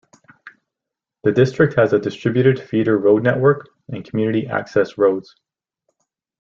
The district has a distributed feeder road network and community access roads.